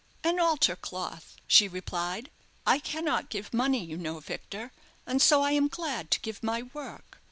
"An altar cloth," she replied. "I cannot give money, you know, Victor, and so I am glad to give my work."